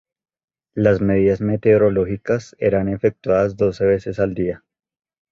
Las medidas meteorológicas eran efectuadas doce veces al día.